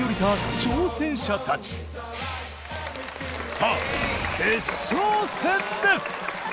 さあ決勝戦です！